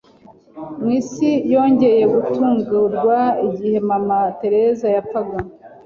Mu isi yongeye gutungurwa igihe Mama Teresa yapfaga